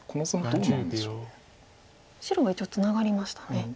白は一応ツナがりましたね。